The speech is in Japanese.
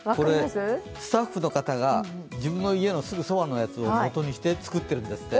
スタッフの方が自分の家のすぐそばのやつをもとにして作ってるんですって。